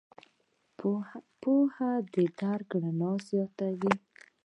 پوهه د درک رڼا زیاتوي.